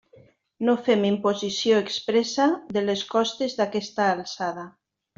No fem imposició expressa de les costes d'aquesta alçada.